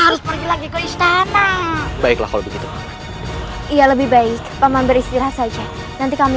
harus pergi lagi ke istana baiklah kalau begitu iya lebih baik paman beristirahat saja nanti kami